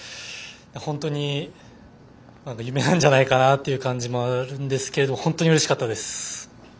本当に夢なんじゃないかなという感じもあるんですけど本当にうれしかったです。